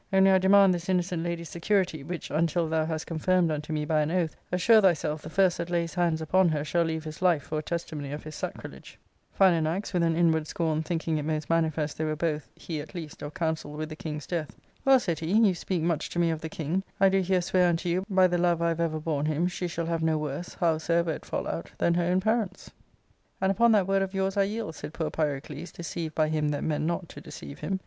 Only I demand this innocent lady's security, which until thou hast confirmed unto me by an oath, assure thyself the first that lays hands upon her shall leave his life for a testimony of his sacrilege," Philanax with an inward scorn thinking it most manifest they were both, he at least, of counsel with the king's death, Well," said he, you speak much to me of the king ; I do here swear unto you by the love I have ever borne him she shall have no worse, howsoever it fall out, than her own parents." And upon that word of yours I yield," said poor Pyrocles, deceived by him that meant not to deceive him.